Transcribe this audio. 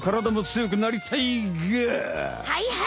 はいはい！